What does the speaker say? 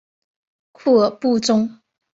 库尔布宗。